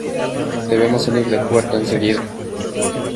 Debemos salir del puerto enseguida.